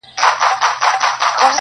هو رشتيا,